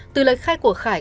từ lời khai của khải